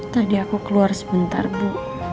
tadi aku keluar sebentar bu